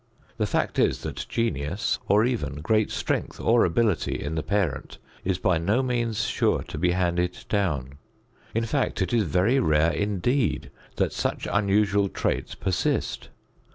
The fact is that genius, or even great strength or ability in the parent, is by no means sure to be handed down. In fact, it is very rare indeed that such unusual traits persist.